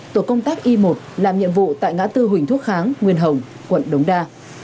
tổ công tác y một làm nhiệm vụ tại ngã tư huỳnh thúc kháng nguyên hồng quận đống đa